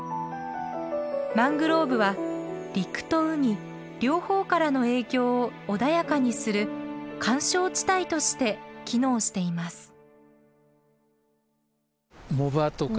マングローブは陸と海両方からの影響を穏やかにする緩衝地帯として機能しています。